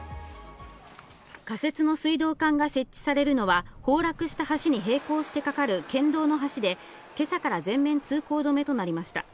仮設の水道管が設置されるのは崩落した橋に並行してかかる県道の橋で、今朝から全面通行止めとなりました。